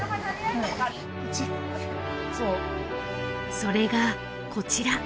それがこちら。